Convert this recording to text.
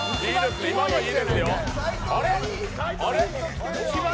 今のいいですよ。